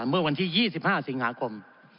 เมื่อวันที่๒๕สิงหาคม